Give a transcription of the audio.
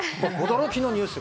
驚きのニュース。